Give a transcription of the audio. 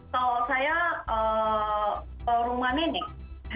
soal saya rumah nenek